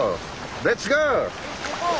レッツゴー！